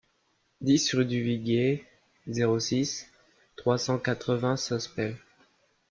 dix rue du Viguier, zéro six, trois cent quatre-vingts Sospel